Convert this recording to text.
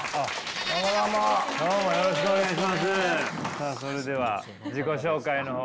さあそれでは自己紹介の方を。